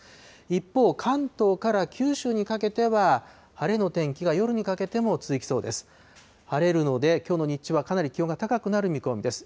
一方、関東から九州にかけては晴れの天気が夜にかけても続きそうです。